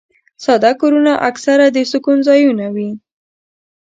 ساده کورونه اکثره د سکون ځایونه وي.